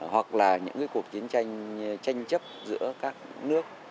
hoặc là những cuộc chiến tranh tranh chấp giữa các nước